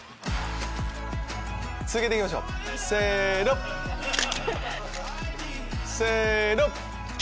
続けて行きましょうせの。せの。